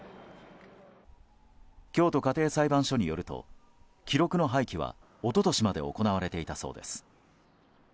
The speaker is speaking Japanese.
京都家庭裁判所によると記録の廃棄は一昨年まで行われていたそうです。